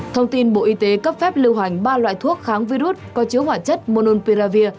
thông tin bộ y tế cấp phép lưu hoành ba loại thuốc kháng virus có chứa hỏa chất monopiravir